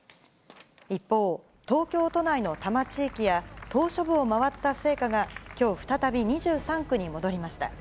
一方、東京都内の多摩地域や島しょ部を回った聖火がきょう、再び２３区に戻りました。